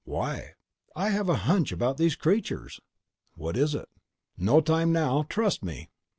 _ "Why?" "I have a hunch about these creatures." "What is it?" _"No time now. Trust me."